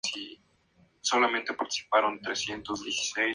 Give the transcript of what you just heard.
Llegó a tener el rango de coronel.